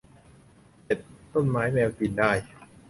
เจ็ด ต้นไม้แมวกินได้